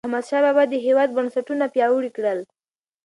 احمدشاه بابا د هیواد بنسټونه پیاوړي کړل.